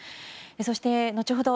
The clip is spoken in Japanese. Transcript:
そして、後ほど